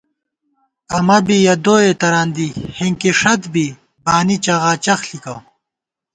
امہ بی یَہ دوئے تران دِی ہِنکِی ݭَت بی بانی چغاچغ ݪِکہ